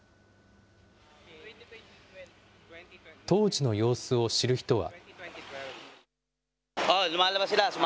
当時の様子を知る人は。